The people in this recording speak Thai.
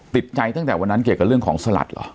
ติดใจตั้งแต่วันนั้นเกี่ยวกับเรื่องของสลัดเหรอ